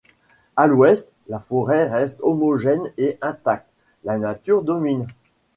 À l'ouest, la forêt reste homogène et intacte, la nature domine.